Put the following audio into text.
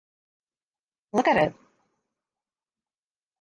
Look at it!